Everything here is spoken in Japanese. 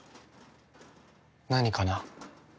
何かな？